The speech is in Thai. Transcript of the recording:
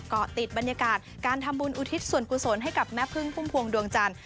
เกาะติดบรรยากาศการทำบุญอุทิศส่วนกุศลให้กับแม่พึ่งพุ่มพวงดวงจันทร์